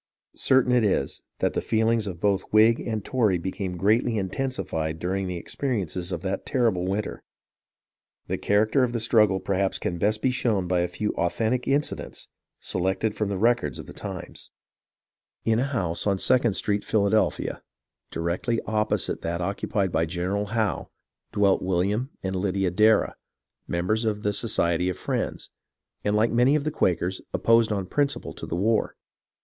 Certain it is that the feel ings of both Whig and Tory became greatly intensified during the experiences of that terrible winter. The char acter of the struggle perhaps can best be shown by a few authentic incidents selected from the records of the times. 220 HISTORY OF THE AMERICAN REVOLUTION In a house on Second Street, Philadelphia, directly oppo site that occupied by General Howe, dwelt William and Lydia Darrah, members of the Society of Friends, and, like many of the Quakers, opposed on principle to the war.